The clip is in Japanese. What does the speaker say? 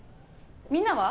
みんなは？